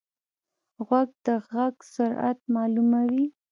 غوږ د غږ سرعت معلوموي.